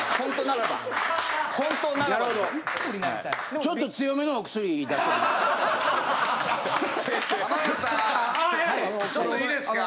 ちょっといいですか？